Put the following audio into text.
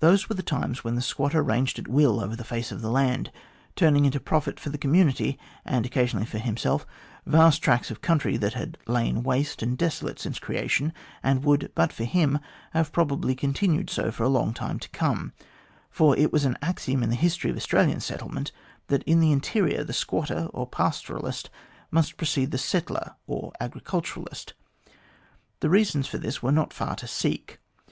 Those were the time& when the squatter ranged at will over the face of the land, turning into profit for the community, and occasionally for himself, vast tracts of country that had lain waste and desolate since creation, and would, but for him, have probably continued so for a long time to come, for it was an axiom in the history of Australian settlement that in the interior the squatter or pastoralist must precede the settler or agriculturalist. The reasons for this were not far to seek.